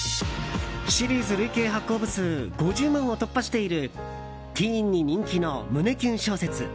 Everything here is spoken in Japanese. シリーズ累計発行部数５０万を突破しているティーンに人気の胸キュン小説